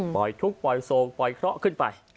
ปล่อยทุกปล่อยโศกหลอยเคราะห์ขึ้นไป